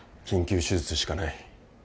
緊急手術しかない。